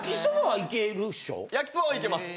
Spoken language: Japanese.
焼きそばはいけます。